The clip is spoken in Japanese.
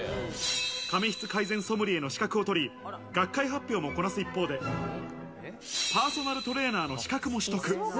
髪質改善ソムリエの資格を取り、学会発表もこなす一方で、パーソナルトレーナーの資格も取得。